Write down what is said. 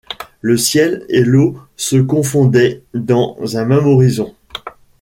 Le ciel et l’eau se confondaient dans un même horizon.